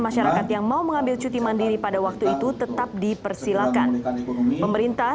masyarakat yang mau mengambil cuti mandiri pada waktu itu tetap dipersilakan pemerintah